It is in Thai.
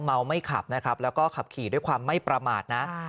เมาไม่ขับนะครับแล้วก็ขับขี่ด้วยความไม่ประมาทนะ